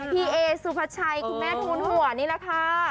พี่เอสุภาชัยคุณแม่ทูลหัวนี่แหละค่ะ